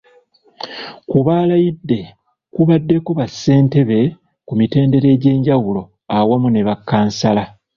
Ku balayidde ku baddeko bassentebe ku mitendera egy’enjawulo awamu ne bakkansala.